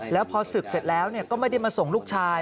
แล้วพอศึกเสร็จแล้วก็ไม่ได้มาส่งลูกชาย